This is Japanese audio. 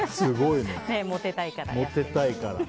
モテたいから。